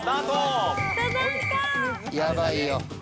やばいよ。